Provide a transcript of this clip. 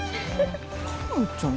花音ちゃん